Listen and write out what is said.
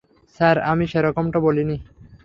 Sir, আমি সেরকমটা বলিনি।